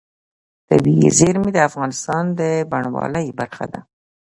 طبیعي زیرمې د افغانستان د بڼوالۍ برخه ده.